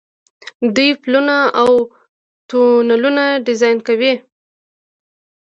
دوی پلونه او تونلونه ډیزاین کوي.